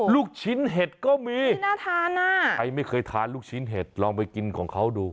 ลูกชิ้นเห็ดก็มีน่าทานอ่ะใครไม่เคยทานลูกชิ้นเห็ดลองไปกินของเขาดู